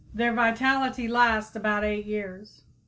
Their vitality lasts about eight years.